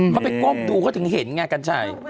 พอไปก้มดูเขาถึงเห็นไง